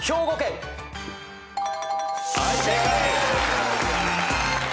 はい正解。